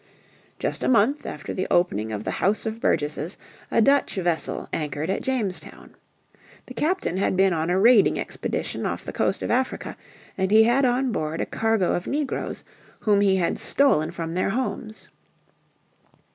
Just a month after the opening of the House of Burgesses a Dutch vessel anchored at Jamestown. The captain had been on a raiding expedition off the coast of Africa, and he had on board a cargo of negroes, whom he had stolen from their homes.